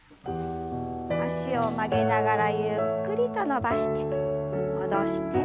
脚を曲げながらゆっくりと伸ばして戻して。